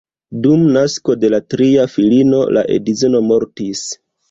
Dum nasko de la tria filino la edzino mortis.